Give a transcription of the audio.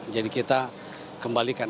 jadi kita kembalikan